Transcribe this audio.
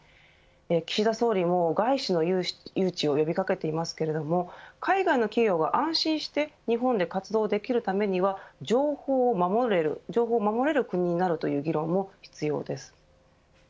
岸田総理も外資の誘致を呼びかけていますけれども海外の企業が安心して日本で活動できるためには情報を守れる国になるという議論も必要です。